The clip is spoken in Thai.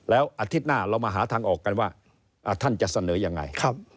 แล้วอาทิตย์หน้าเรามาหาทางออกกันว่าท่านจะเสนอยังไง